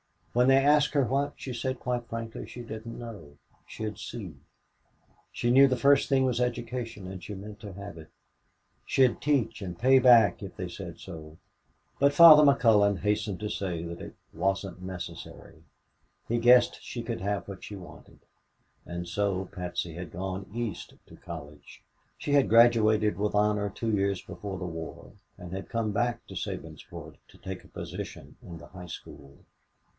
When they asked her what, she said quite frankly she didn't know. She'd see. She knew the first thing was education and she meant to have it. She'd teach and pay back if they said so, but Father McCullon hastened to say that it "wasn't necessary." He guessed she could have what she wanted. And so Patsy had gone East to college. She had graduated with honor two years before the war and had come back to Sabinsport to take a position in the high school.